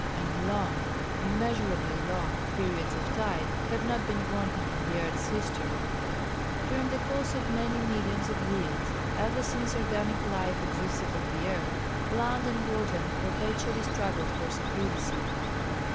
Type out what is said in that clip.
And long immeasurably long periods of time have not been wanting in the earth's history. During the course of many millions of years, ever since organic life existed on the earth, land and water have perpetually struggled for supremacy.